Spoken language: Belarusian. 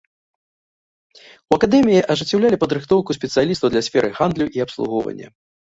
У акадэміі ажыццяўлялі падрыхтоўку спецыялістаў для сферы гандлю і абслугоўвання.